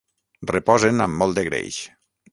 Reposen amb molt de greix.